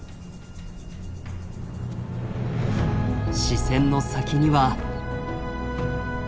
視線の先には。